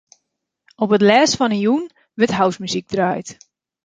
Op it lêst fan 'e jûn wurdt housemuzyk draaid.